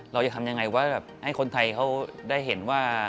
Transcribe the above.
เราจะทำยังไงว่าแบบให้คนไทยเขาได้เห็นว่า